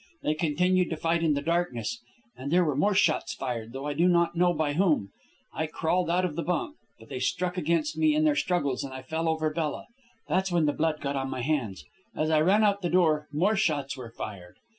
They continued to fight in the darkness, and there were more shots fired, though I do not know by whom. I crawled out of the bunk, but they struck against me in their struggles, and I fell over Bella. That's when the blood got on my hands. As I ran out the door, more shots were fired.